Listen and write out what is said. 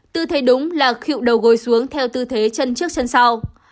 tư thế đúng là khịu đầu gối xuống theo tư thế chân trước chân sau